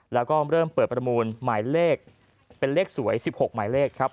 แล้วก็เริ่มเปิดประมูลหมายเลขเป็นเลขสวย๑๖หมายเลขครับ